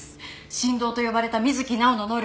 神童と呼ばれた水木直央の能力